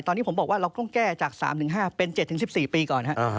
ตอนนี้ผมบอกว่าเราต้องแก้จาก๓๕เป็น๗๑๔ปีก่อนครับ